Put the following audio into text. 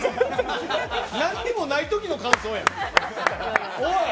何にもないときの感想やん。